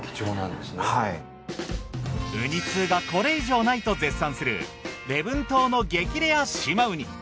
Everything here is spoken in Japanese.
ウニ通がこれ以上ないと絶賛する礼文島の激レア島ウニ。